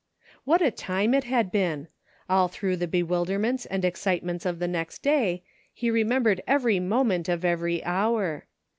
What a time it had been ! All through the be wilderments and excitements of the next day, he remembered every moment of every hour.